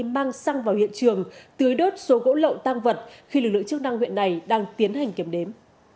mang xăng vào hiện trường tưới đốt số gỗ lậu tăng vật khi lực lượng chức năng huyện này đang tiến hành kiểm đếm